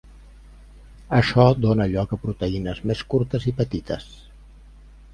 Això dóna lloc a proteïnes més curtes i petites.